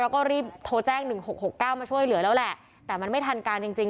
แล้วก็รีบโทรแจ้ง๑๖๖๙มาช่วยเหลือแล้วแหละแต่มันไม่ทันการจริงจริง